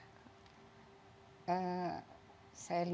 saya libatkan kemana saya pergi